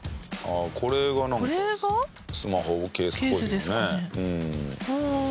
これがなんかスマホケースっぽいけどね。